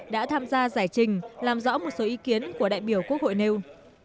đã tham gia giải trình làm rõ một số ý kiến của đại biểu quốc hội nêu